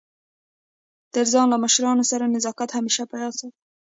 تر ځان له مشرانو سره نزاکت همېشه په یاد ساته!